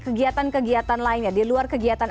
kegiatan kegiatan lainnya di luar kegiatan